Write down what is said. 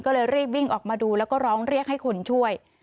ก็เลยรีบวิ่งออกมาดูแล้วก็ร้องเรียกให้คนช่วย